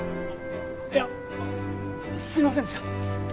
いやすみませんでした。